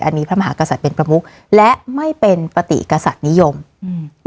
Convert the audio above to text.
อันนี้พระมหากษัตริย์เป็นประมุกและไม่เป็นปฏิกษัตริย์นิยมอืม